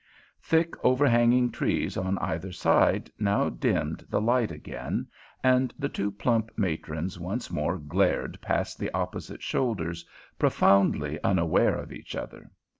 Thick, overhanging trees on either side now dimmed the light again, and the two plump matrons once more glared past the opposite shoulders, profoundly unaware of each other.